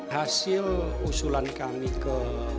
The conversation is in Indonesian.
hasil usulan kami ke